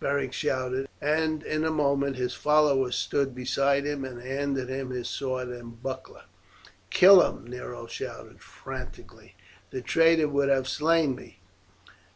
Beric shouted; and in a moment his follower stood beside him and handed him his sword and buckler. "Kill him!" Nero shouted frantically. "The traitor would have slain me."